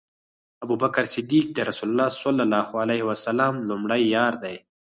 ابوبکر صديق د رسول الله صلی الله عليه وسلم لومړی یار دی